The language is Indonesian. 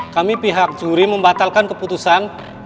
kami pihak juri membatalkan keputusan